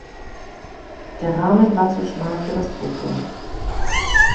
Der Rahmen war zu schmal für das Foto.